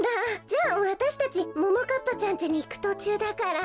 じゃあわたしたちももかっぱちゃんちにいくとちゅうだから。